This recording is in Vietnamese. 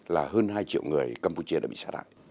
là hơn hai triệu người campuchia đã bị xả đại